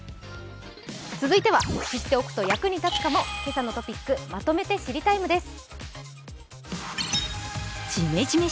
続いては知っておくと役に立つかも、「けさのトピックまとめて知りＴＩＭＥ，」です。